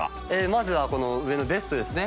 まずはこの上のベストですね